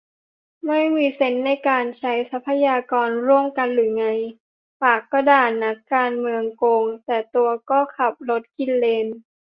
ไม่มีเซนส์ในการใช้ทรัพยากรร่วมกันหรือไง ปากก็ด่านักการเมืองโกง แต่ตัวก็ขับรถกินเลน